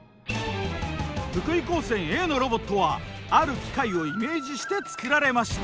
福井高専Ａのロボットはある機械をイメージして作られました。